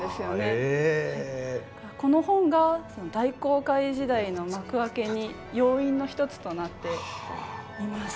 この本が大航海時代の幕開けに要因の一つとなっています。